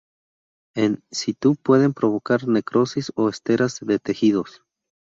In situ pueden provocar necrosis o esteras de tejidos.